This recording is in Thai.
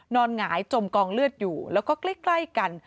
หงายจมกองเลือดอยู่แล้วก็ใกล้กัน